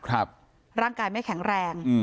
ร่างกายไม่แข็งแรง